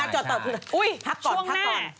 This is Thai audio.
จอดต่อพักก่อนพักก่อนอุ๊ยช่วงหน้า